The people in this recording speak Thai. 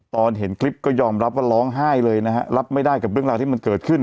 ตอนเห็นคลิปก็ยอมรับว่าร้องไห้เลยนะฮะรับไม่ได้กับเรื่องราวที่มันเกิดขึ้น